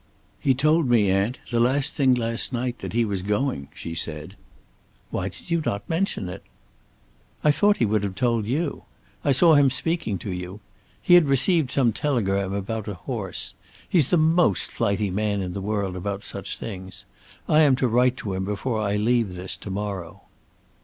"He told me, aunt, the last thing last night that he was going," she said. "Why did you not mention it?" "I thought he would have told you. I saw him speaking to you. He had received some telegram about a horse. He's the most flighty man in the world about such things. I am to write to him before I leave this to morrow."